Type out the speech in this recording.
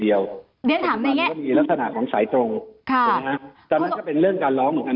เดี๋ยวถามนี่มีลักษณะของสายตรงค่ะใช่ไหมครับจำนั้นก็เป็นเรื่องการร้องเหมือนกัน